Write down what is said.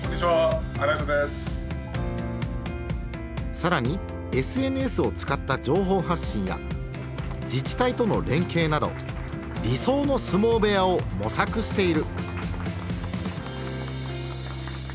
更にＳＮＳを使った情報発信や自治体との連携など理想の相撲部屋を模索している。